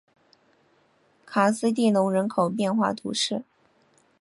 卡斯蒂隆人口变化图示